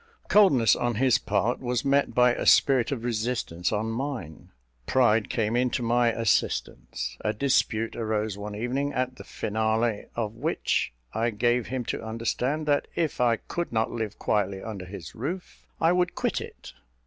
Coldness on his part was met by a spirit of resistance on mine. Pride came in to my assistance. A dispute arose one evening, at the finale of which I gave him to understand that if I could not live quietly under his roof, I would quit it.